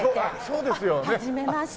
はじめまして。